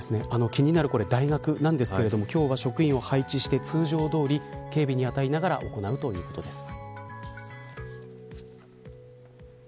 気になる大学なんですが今日は職員を配置して通常どおり警備に当たりながら行うということです。